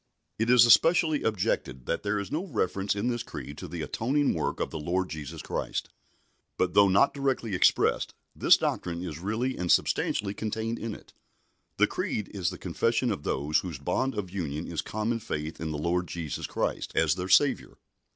It is especially objected that there is no reference in this Creed to the atoning work of the Lord Jesus Christ. But, though not directly expressed, this doctrine is really and substantially contained in it. The Creed is the confession of those whose bond of union is common faith in the Lord Jesus Christ as their Saviour.